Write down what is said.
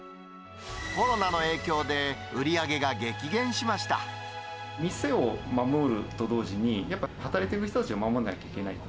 コロナの影響で、売り上げが激減店を守ると同時に、やっぱ働いている人たちを守らなきゃいけないと。